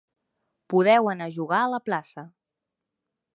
Podeu anar a jugar a la plaça.